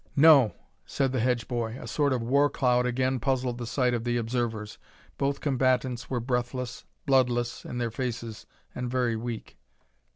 "No," said the Hedge boy. A sort of war cloud again puzzled the sight of the observers. Both combatants were breathless, bloodless in their faces, and very weak.